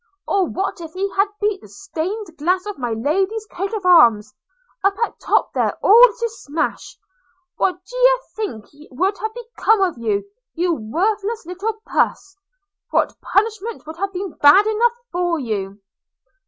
– Or what if he had beat the stained glass of my lady's coat of arms, up at top there, all to smash – what d'ye think would have become of you, you worthless little puss! What punishment would have been bad enough for you?'